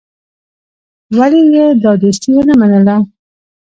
ولي يې دا دوستي ونه منله.